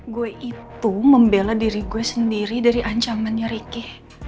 gue itu membela diri gue sendiri dari ancamannya ricky